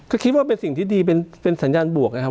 ก็คิดเป็นสิ่งที่ดีสัญญาณบวกนะครับ